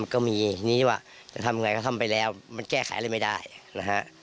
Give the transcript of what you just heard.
ก็มีทีนี้ว่าจะทำไงก็ทำไปแล้วมันแก้ไขอะไรไม่ได้นะฮะ